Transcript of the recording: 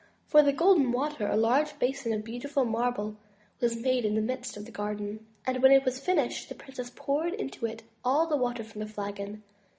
For the Golden Water a large basin of beautiful marble was made in the midst of the garden, and when it was finished the princess poured into it all the water from the flagon.